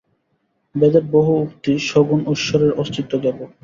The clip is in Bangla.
বেদের বহু উক্তি সগুণ ঈশ্বরের অস্তিত্ব-জ্ঞাপক।